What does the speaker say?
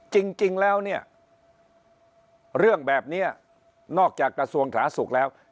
จริงแล้วเนี่ยเรื่องแบบนี้นอกจากกระทรวงสาธารณสุขแล้ว